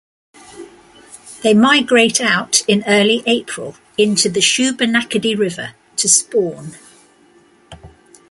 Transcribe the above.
They migrate out in early April into the Shubenacadie River to spawn.